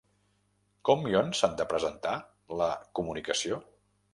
Com i on s'han de presentar la Comunicació?